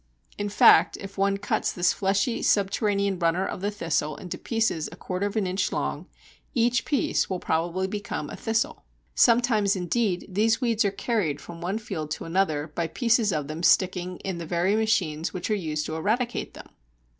In fact if one cuts this fleshy subterranean runner of the Thistle into pieces a quarter of an inch long, each piece will probably become a Thistle. Sometimes indeed these weeds are carried from one field to another by pieces of them sticking in the very machines which are used to eradicate them.